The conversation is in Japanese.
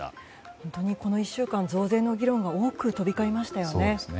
本当にこの１週間増税の議論が多く飛び交いましたよね。